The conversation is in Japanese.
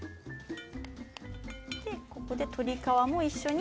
ここで鶏皮も一緒に。